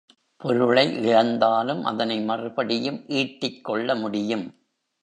பொருளை இழந்தாலும் அதனை மறுபடியும் ஈட்டிக்கொள்ள முடியும்.